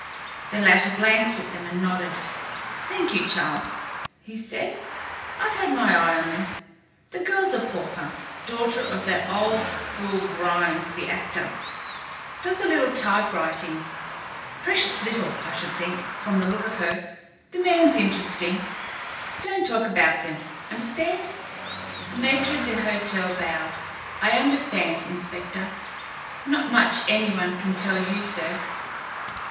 The latter glanced at them and nodded. "Thank you, Charles," he said, "I've had my eye on them. The girl's a pauper, daughter of that old fool Grimes, the actor. Does a little typewriting precious little, I should think, from the look of her. The man's interesting. Don't talk about them. Understand?" The maître d'hôtel bowed. "I understand, Inspector. Not much any one can tell you, sir."